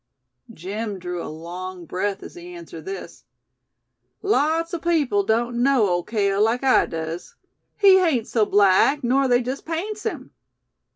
Jim drew a long breath as he answered this. "Lot's o' people doan't know Ole Cale like I does. He hain't so black nor they jes' paints him.